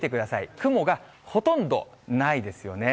雲がほとんどないですよね。